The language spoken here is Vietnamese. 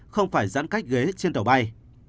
không phải giãn cách ghế trên tàu bay